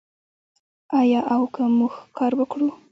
آیا او که موږ کار وکړو؟